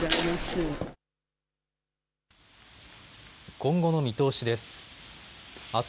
今後の見通しです。